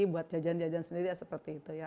buat jajan jajan sendiri seperti itu ya